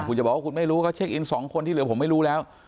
คุณจะบอกว่าคุณไม่รู้เขาเช็คอิน๒คนที่เหลือผมไม่รู้แล้ว